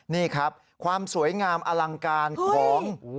นี่ครับความสวยงามอลังการของ